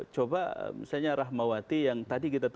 coba misalnya rahmawati yang tadi kita tahu